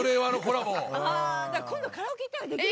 今度カラオケ行ったらできる。